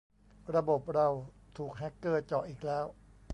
ระบบเราถูกแฮกเกอร์เจาะอีกแล้ว